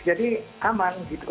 jadi aman gitu